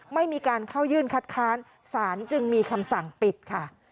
ไม่มีการเข้ายื่นคัดค้านสารจึงมีคำสั่งปิดค่ะ